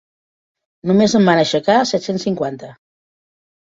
Només en van aixecar set-cents cinquanta.